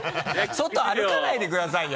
外歩かないでくださいよ！